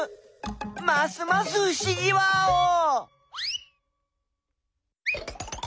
ますますふしぎワオー！